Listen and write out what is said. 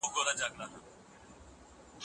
که مشوره نه وي نو کار نه سمېږي.